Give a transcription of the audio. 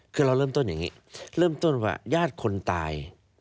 คือเราเริ่มต้นอย่างนี้เริ่มต้นว่าญาติคนตาย